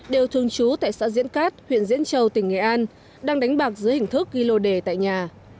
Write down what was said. đều thường trú tại xã diễn cát huyện diễn châu tỉnh nghệ an đang đánh bạc dưới hình thức ghi lô đề tại nhà